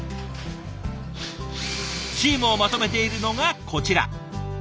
チームをまとめているのがこちら。